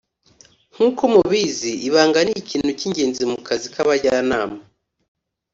Nk uko mubizi ibanga ni ikintu cy ingenzi mu kazi k Abajyanama